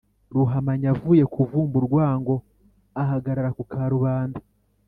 ruhamanya avuye kuvumba urwango, ahagarara ku karubanda